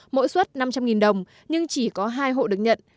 mỗi suất năm trăm linh đồng nhưng chỉ có hai hộ được nhận